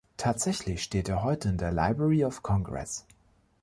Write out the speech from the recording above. Tatsächlich steht er heute in der Library of Congress.